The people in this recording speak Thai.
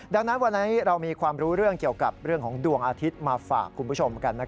ดังนั้นวันนี้เรามีความรู้เรื่องเกี่ยวกับเรื่องของดวงอาทิตย์มาฝากคุณผู้ชมกัน